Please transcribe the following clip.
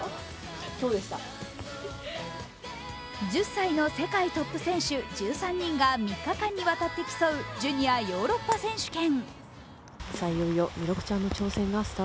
１０歳の世界トップ選手１３人が３日間にわたって競うジュニアヨーロッパ選手権。